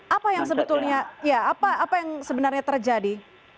apa yang sebetulnya ya apa yang sebenarnya terjadi